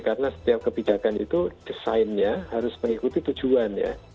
karena setiap kebijakan itu desainnya harus mengikuti tujuannya